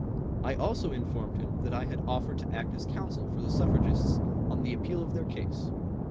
I also informed him that I had offered to act as counsel for the suffragists on the appeal of their case.